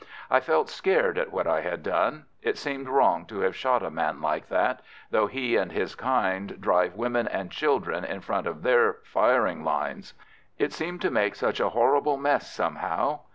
I felt scared at what I had done it seemed wrong to have shot a man like that, though he and his kind drive women and children in front of their firing lines. It seemed to make such a horrible mess, somehow.